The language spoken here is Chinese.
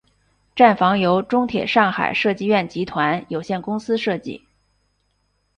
站房由中铁上海设计院集团有限公司设计。